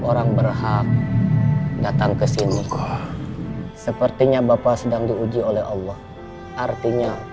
orang berhak datang ke sini sepertinya bapak sedang diuji oleh allah artinya